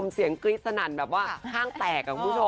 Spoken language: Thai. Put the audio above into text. เสียงกริ๊ดสนั่นแบบว่าห้างแตก